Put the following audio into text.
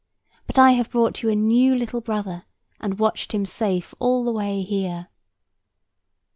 But I have brought you a new little brother, and watched him safe all the way here."